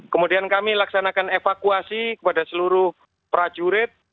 kemudian kami laksanakan evakuasi kepada seluruh prajurit